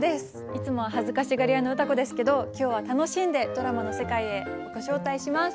いつも恥ずかしがり屋の歌子ですけれど、きょうは楽しんでドラマの世界へご招待します。